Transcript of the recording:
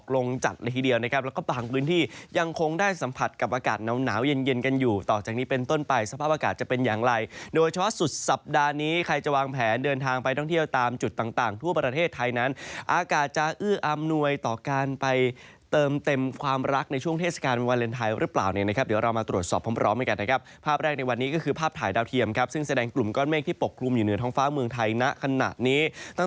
และใครจะวางแผนเดินทางไปต้องเที่ยวตามจุดต่างทั่วประเทศไทยนั้นอากาศจะอื้ออำนวยต่อการไปเติมเต็มความรักในช่วงเทศกาลวาเลนไทยหรือเปล่าเนี่ยนะครับเดี๋ยวเรามาตรวจสอบพร้อมมากันนะครับภาพแรกในวันนี้ก็คือภาพถ่ายดาวเทียมครับซึ่งแสดงกลุ่มก้อนเมฆที่ปกกลุ่มอยู่เหนือท้อง